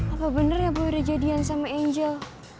apa bener ya gue udah jadian sama angel